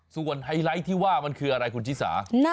ส่วนไฮไลท์ที่ว่ามันคืออะไรคุณชิสา